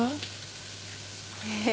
えっ？